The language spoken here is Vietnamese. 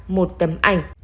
một tấm ảnh